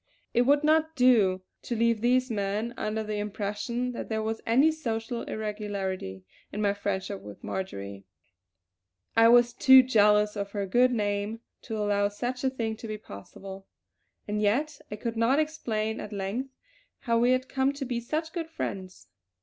It would not do to leave these men under the impression that there was any social irregularity in my friendship with Marjory; I was too jealous of her good name to allow such a thing to be possible. And yet I could not explain at length how we had come to be such good friends.